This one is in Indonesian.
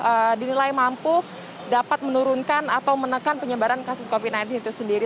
yang dinilai mampu dapat menurunkan atau menekan penyebaran kasus covid sembilan belas itu sendiri